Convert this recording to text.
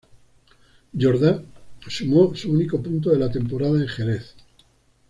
Jordá sumó su único punto de la temporada en Jerez.